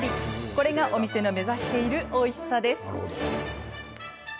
これがお店の目指しているおいしさです。